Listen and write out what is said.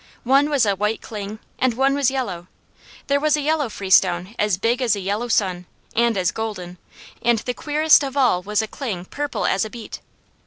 One was a white cling, and one was yellow. There was a yellow freestone as big as a young sun, and as golden, and the queerest of all was a cling purple as a beet.